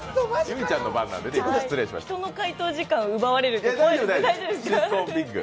人の回答時間、奪われる。